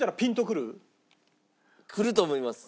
くると思います。